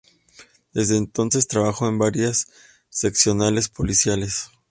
Desde entonces trabajó en varias seccionales policiales.